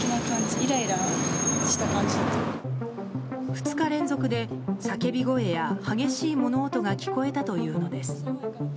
２日連続で叫び声や激しい物音が聞こえたというのです。